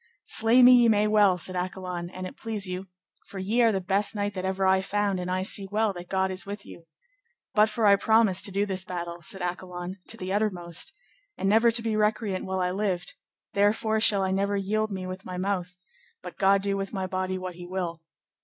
Slay me ye may well, said Accolon, an it please you, for ye are the best knight that ever I found, and I see well that God is with you. But for I promised to do this battle, said Accolon, to the uttermost, and never to be recreant while I lived, therefore shall I never yield me with my mouth, but God do with my body what he will.